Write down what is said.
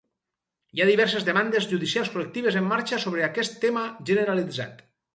Hi ha diverses demandes judicials col·lectives en marxa sobre aquest tema generalitzat.